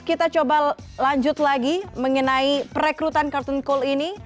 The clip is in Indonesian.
kita coba lanjut lagi mengenai perekrutan kartun cole ini